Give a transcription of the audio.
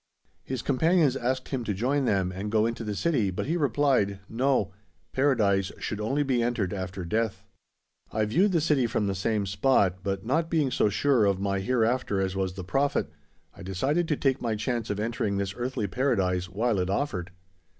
His companions asked him to join them and go into the city but he replied "No; Paradise should only be entered after death!" I viewed the city from the same spot, but, not being so sure of my hereafter as was the Prophet, I decided to take my chance of entering this earthly Paradise while it offered.